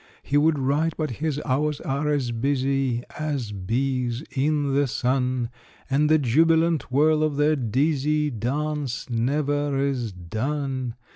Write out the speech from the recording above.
He would write, but his hours are as busy As bees in the sun, And the jubilant whirl of their dizzy Dance never is done.